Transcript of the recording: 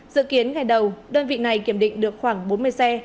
dự kiến ngày đầu đơn vị này kiểm định được khoảng bốn mươi xe